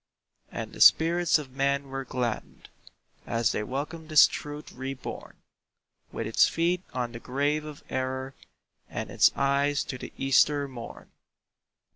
And the spirits of men are gladdened As they welcome this Truth re born With its feet on the grave of Error And its eyes to the Easter Morn.